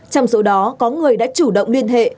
trong số đó có người đã chủ động liên hệ